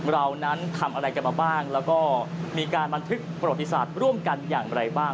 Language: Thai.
เรานั้นทำอะไรกันมาบ้างแล้วก็มีการบันทึกประวัติศาสตร์ร่วมกันอย่างไรบ้าง